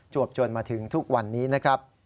จนมาถึงทุกวันนี้นะครับ